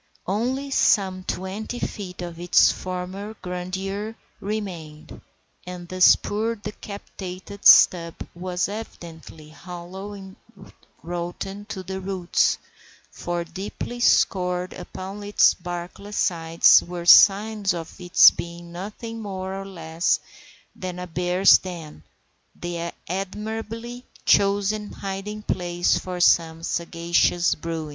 Only some twenty feet of its former grandeur remained, and this poor, decapitated stub was evidently hollow and rotten to the roots, for deeply scored upon its barkless sides were the signs of its being nothing more or less than a bear's den—the admirably chosen hiding place of some sagacious Bruin.